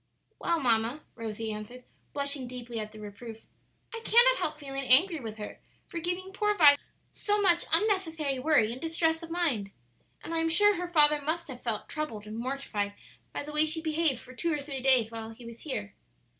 "Well, mamma," Rosie answered, blushing deeply at the reproof, "I cannot help feeling angry with her for giving poor Vi so much unnecessary worry and distress of mind. And I am sure her father must have felt troubled and mortified by the way she behaved for two or three days while he was here."